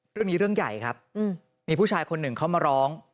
เรื่องนี้เรื่องใหญ่ครับมีผู้ชายคนหนึ่งเข้ามาร้อง